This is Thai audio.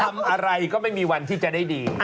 ทำอะไรก็ไม่มีวันที่จะได้ดี